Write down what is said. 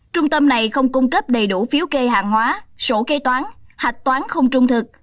trung tâm này không cung cấp đầy đủ phiếu kê hàng hóa sổ kế toán hạch toán không trung thực